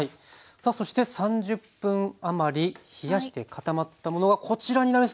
さあそして３０分余り冷やして固まったものがこちらになります！